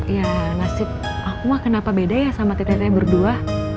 ya nasib aku mah kenapa beda ya sama tete tete berdua